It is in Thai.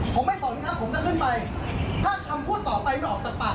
ผมไม่สนครับผมจะขึ้นไปถ้าคำพูดต่อไปไม่ออกจากปาก